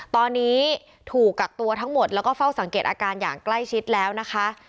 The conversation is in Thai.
ตอนนี้ถูกกักตัวทั้งหมดแล้วก็เฝ้าสังเกตอาการอย่างใกล้ชิดแล้วนะคะ